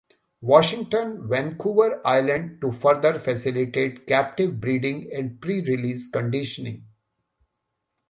Washington, Vancouver Island to further facilitate captive breeding and pre release conditioning.